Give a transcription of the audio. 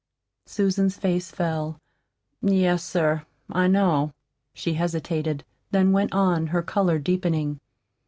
Susan's face fell. "Yes, sir, I know." She hesitated, then went on, her color deepening.